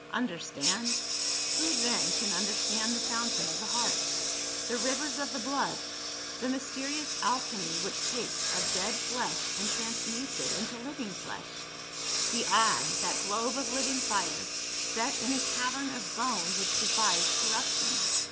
Understand ?— Who then can understand the fountain of the heart, the rivers of the blood, the mysterious alchemy which takes of dead flesh and transmutes it into living flesh ; the eye, that globe of living fire, set in a cavern of bone which defies corruption.